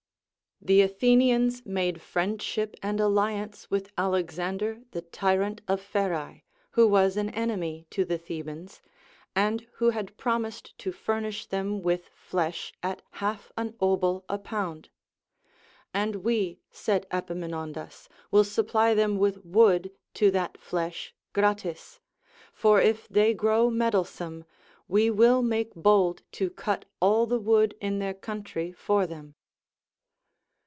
The Athenians made friend ship and alliance with Alexander the tyrant of Pherae, who was an enemy to the Thebans, and who had promised to furnish them Avith flesh at half an obol a pound. And we, said Epaminondas, will supply them with wood to that flesh gratis ; for if they grow meddlesome, we will make bold to cut all the wood in their country for them.